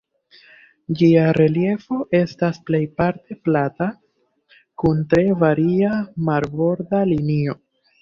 Ĝia reliefo estas plejparte plata, kun tre varia marborda linio.